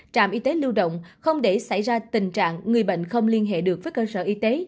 trạm y tế lưu động không để xảy ra tình trạng người bệnh không liên hệ được với cơ sở y tế